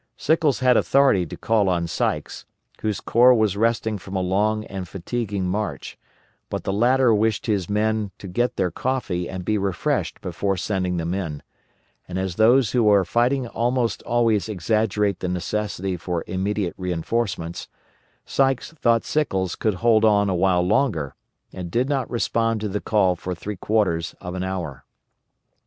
Sickles had authority to call on Sykes, whose corps was resting from a long and fatiguing march, but the latter wished his men to get their coffee and be refreshed before sending them in; and as those who are fighting almost always exaggerate the necessity for immediate reinforcements, Sykes thought Sickles could hold on a while longer, and did not respond to the call for three quarters of an hour.